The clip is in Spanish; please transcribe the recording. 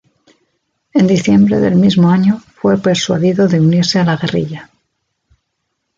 En diciembre del mismo año fue persuadido de unirse a la guerrilla.